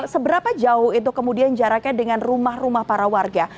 seberapa jauh itu kemudian jaraknya dengan rumah rumah para warga